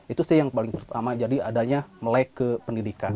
itu sih yang paling pertama jadi adanya melek ke pendidikan